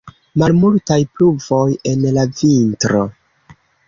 Malmultaj pluvoj en la vintro.